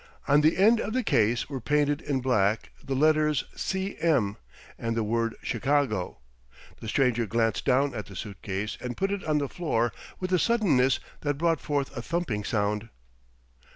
On the end of the case were painted in black the letters "C. M." and the word "Chicago." The stranger glanced down at the suitcase and put it on the floor with a suddenness that brought forth a thumping sound.